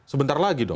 sebentar lagi dong